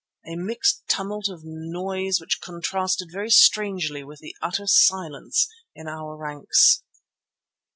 _"—a mixed tumult of noise which contrasted very strangely with the utter silence in our ranks.